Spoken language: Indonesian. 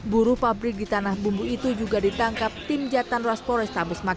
buruh pabrik di tanah bumbu itu juga ditangkap tim jatan raspo restabes